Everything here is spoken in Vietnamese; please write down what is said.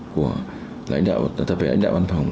của lãnh đạo văn phòng